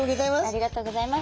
ありがとうございます。